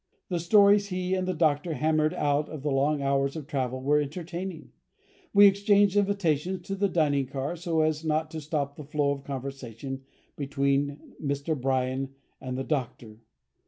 The stories he and the Doctor hammered out of the long hours of travel were entertaining. We exchanged invitations to the dining car so as not to stop the flow of conversation between Mr. Bryan and the Doctor.